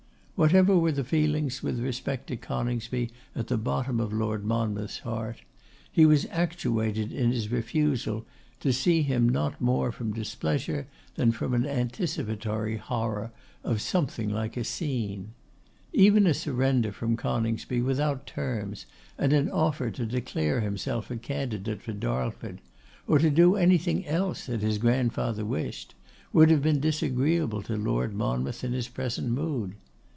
Whatever were the feelings with respect to Coningsby at the bottom of Lord Monmouth's heart, he was actuated in his refusal to see him not more from displeasure than from an anticipatory horror of something like a scene. Even a surrender from Coningsby without terms, and an offer to declare himself a candidate for Darlford, or to do anything else that his grandfather wished, would have been disagreeable to Lord Monmouth in his present mood.